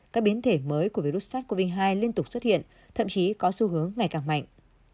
các biến thể mới của virus sars cov hai liên tục xuất hiện thậm chí có xu hướng ngày càng mạnh